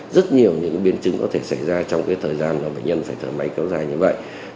rất nhiều biến chứng có thể xảy ra trong thời gian bệnh nhân phải thở máy kéo dài như vậy